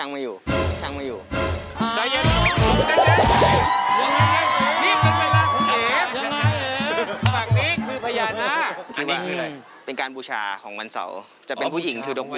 มีครับฟังอะไร